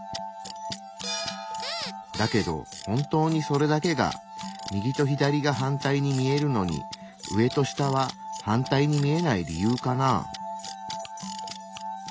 だけど本当にそれだけが右と左が反対に見えるのに上と下は反対に見えない理由かなあ？